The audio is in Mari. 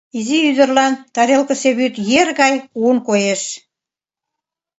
Изи ӱдырлан тарелкысе вӱд ер гай кугун чучеш.